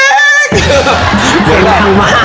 เสียงหนังมาก